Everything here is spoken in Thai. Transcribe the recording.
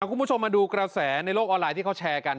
คุณผู้ชมมาดูกระแสในโลกออนไลน์ที่เขาแชร์กัน